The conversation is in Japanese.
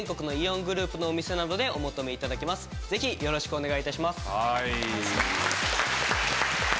ぜひよろしくお願いいたします。